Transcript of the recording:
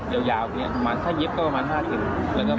ยาวยาวกันเนี้ยประมาณถ้าเย็บก็ประมาณห้าถึงเหมือนกับ